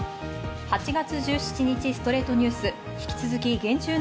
８月１７日、火曜日の『ストレイトニュース』。